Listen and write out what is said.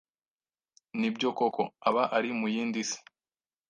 Nibyo koko aba ari mu yindi si